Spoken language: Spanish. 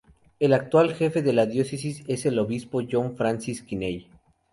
El actual jefe de la Diócesis es el Obispo John Francis Kinney.